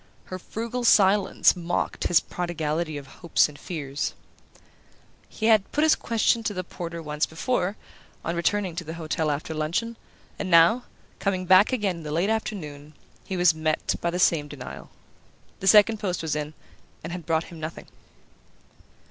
Her frugal silence mocked his prodigality of hopes and fears. He had put his question to the porter once before, on returning to the hotel after luncheon; and now, coming back again in the late afternoon, he was met by the same denial. The second post was in, and had brought him nothing.